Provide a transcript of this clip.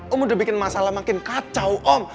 om udah bikin masalah makin kacau om